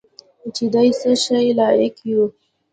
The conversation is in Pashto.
چې د څه شي لایق یو .